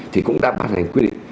thì cũng đã bàn hành quy định